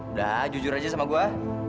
udah jujur aja sama gue